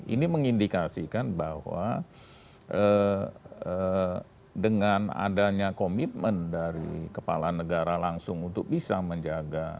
ini mengindikasikan bahwa dengan adanya komitmen dari kepala negara langsung untuk bisa menjaga